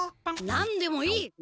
何でもいい！